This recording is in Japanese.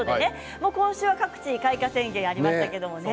今週は各地で開花宣言がありましたけれど。